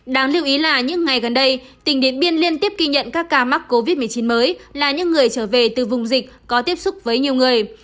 đáng lưu ý là những ngày gần đây tỉnh điện biên liên tiếp ghi nhận các ca mắc covid một mươi chín mới là những người trở về từ vùng dịch có tiếp xúc với nhiều người